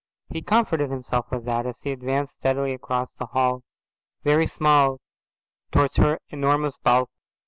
He comforted himself with that, as he advanced steadily across the hall, very small, towards her enormous bulk.